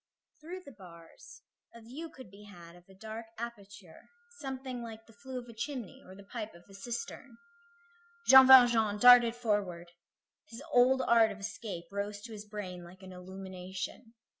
Through the bars a view could be had of a dark aperture, something like the flue of a chimney, or the pipe of a cistern. Jean Valjean darted forward. His old art of escape rose to his brain like an illumination.